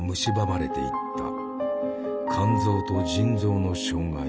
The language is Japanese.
肝臓と腎臓の障害。